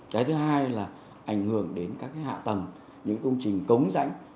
cái thứ hai là ảnh hưởng đến các hạ tầng những công trình cống rãnh